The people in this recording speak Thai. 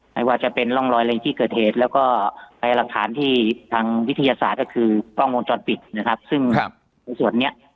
ไม่ว่าจะเป็นร่องรอยในที่เกิดเหตุแล้วก็พยายามหลักฐานที่ทางวิทยาศาสตร์ก็คือกล้องวงจรปิดนะครับซึ่งในส่วนเนี้ย